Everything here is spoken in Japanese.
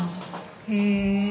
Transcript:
へえ。